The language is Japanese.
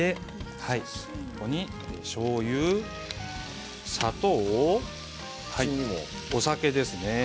しょうゆ、砂糖、お酒ですね。